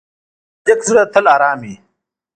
د صادق زړه تل آرام وي.